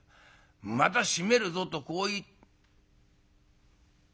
『また締めるぞ』とこう言」。